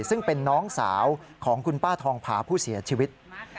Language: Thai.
ซึ่งเป็นน้องสาวของคุณป้าทองผาผู้เสียชีวิต